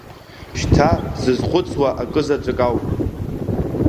Шьҭа дзызхәыцуа акызаҵәык ауп…